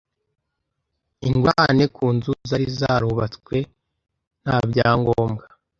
ingurane ku nzu zari zarubatswe nta byangombwa